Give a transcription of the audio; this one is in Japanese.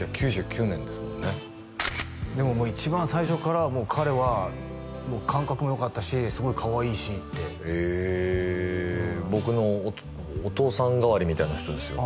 １９９９年ですもんねでももう一番最初からもう彼は感覚もよかったしすごいかわいいしってえ僕のお父さん代わりみたいな人ですよ